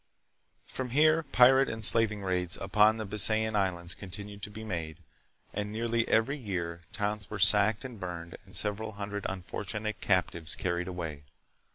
From here pirate and slaving raids upon the Bisayan Islands continued to be made, and nearly every year towns were sacked and burned and several hundred unfortunate captives carried away.